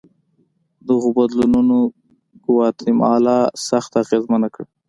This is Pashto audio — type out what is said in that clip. دغو بدلونونو ګواتیمالا سخته اغېزمنه کړه.